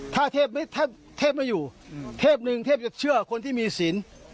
ถ้าเทพไม่อยู่เทพหนึ่งเทพจะเชื่อคนที่มีสิน